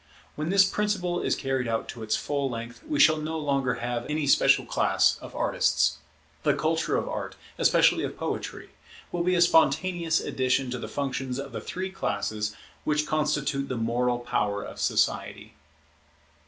When this principle is carried out to its full length, we shall no longer have any special class of artists. The culture of Art, especially of poetry, will be a spontaneous addition to the functions of the three classes which constitute the moral power of society.